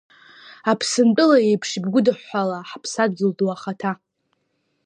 Аԥсынтәыла еиԥш ибгәыдыҳәҳәала, ҳаԥсадгьыл ду ахаҭа.